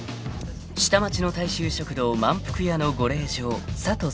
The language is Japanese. ［下町の大衆食堂まんぷく屋のご令嬢佐都さま］